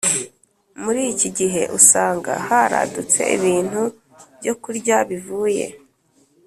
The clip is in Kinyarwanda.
Murikigihe usanga haradutse ibintu byokurya bivuye